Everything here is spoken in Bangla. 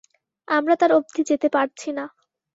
আমরা তার অব্ধি যেতে পারছি না।